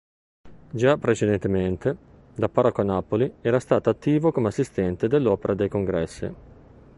Già precedentemente, da parroco a Napoli, era stato attivo come assistente dell'Opera dei Congressi.